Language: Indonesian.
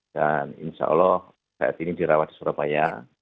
dan insya allah saat ini dirawat di surabaya